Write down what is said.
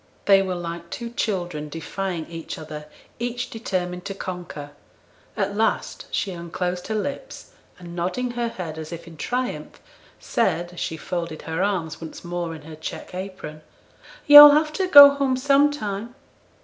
They were like two children defying each other; each determined to conquer. At last she unclosed her lips, and nodding her head as if in triumph, said, as she folded her arms once more in her check apron, 'Yo'll have to go home sometime.'